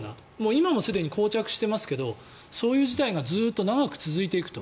今もすでにこう着してますけどそういう事態が長く続いていくと。